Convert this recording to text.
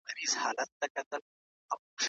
د افغانستان ملي ګټي په نړۍ کي څنګه ساتل کېږي؟